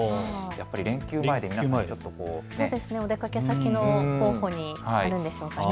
やっぱり連休前で皆さん、お出かけ先の候補になるんでしょうかね。